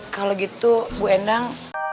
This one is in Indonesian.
kalau gitu bu endang